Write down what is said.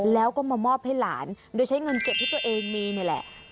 แล้วก็มามอบให้หลานโดยใช้เงินเก็บที่ตัวเองมีนี่แหละ